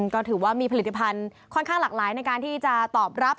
ก็ถือว่ามีผลิตภัณฑ์ค่อนข้างหลากหลายในการที่จะตอบรับ